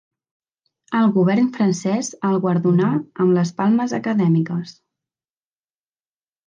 El govern francès el guardonà amb les Palmes Acadèmiques.